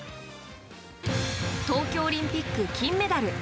東京オリンピック金メダル。